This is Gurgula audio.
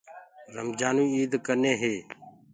رمجآنٚوئي ايٚد ڪني هي